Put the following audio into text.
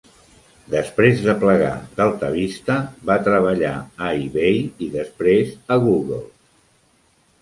Després de plegar d'AltaVista, va treballar a eBay i després a Google.